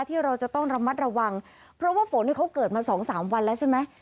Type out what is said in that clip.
ที่เราจะต้องระมัดระวังเพราะว่าฝนเขาเกิดมาสองสามวันแล้วใช่ไหม